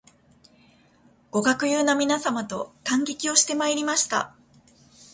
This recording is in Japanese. ご学友の皆様と観劇をしてまいりました